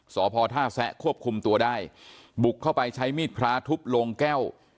สพท่าแซะควบคุมตัวได้บุกเข้าไปใช้มีดพระทุบลงแก้ว